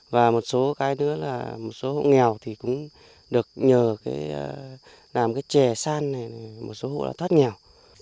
và một số cái nữa là một số hộ nghèo thì cũng được nhờ làm cái chè san này một số hộ đã thoát nghèo